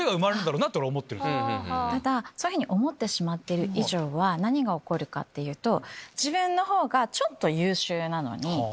ただそういうふうに思ってしまってる以上何が起こるかっていうと。